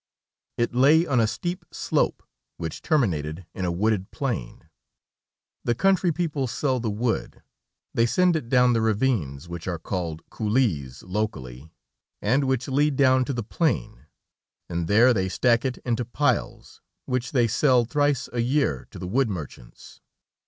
It lay on a steep slope, which terminated in a wooded plain. The country people sell the wood; they send it down the ravines, which are called coulées, locally, and which lead down to the plain, and there they stack it into piles, which they sell thrice a year to the wood merchants.